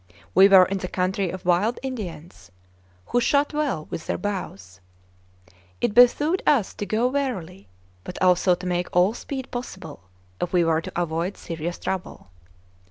We were in the country of wild Indians, who shot well with their bows. It behooved us to go warily, but also to make all speed possible, if we were to avoid serious trouble.